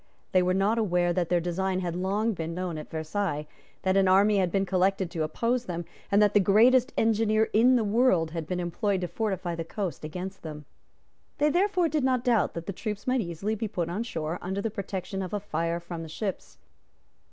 They were not aware that their design had long been known at Versailles, that an army had been collected to oppose them, and that the greatest engineer in the world had been employed to fortify the coast against them. They therefore did not doubt that their troops might easily be put on shore under the protection of a fire from the ships.